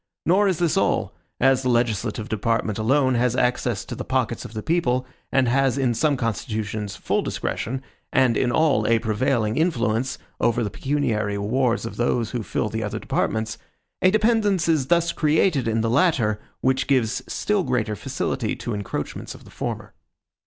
Nor is this all: as the legislative department alone has access to the pockets of the people, and has in some constitutions full discretion, and in all a prevailing influence, over the pecuniary rewards of those who fill the other departments, a dependence is thus created in the latter, which gives still greater facility to encroachments of the former.